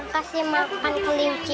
kasih makan kelinci